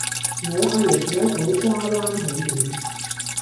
我阿爺住喺土瓜灣喜點